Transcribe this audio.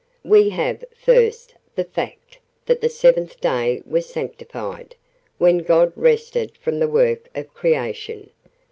"We have, first, the fact that the seventh day was 'sanctified', when God rested from the work of Creation.